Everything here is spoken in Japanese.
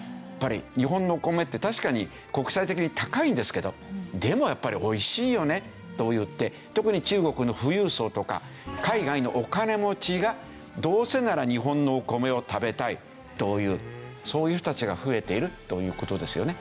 日本のお米って確かに国際的に高いんですけどでもやっぱりおいしいよねといって特に中国の富裕層とか海外のお金持ちがどうせなら日本のお米を食べたいというそういう人たちが増えているという事ですよね。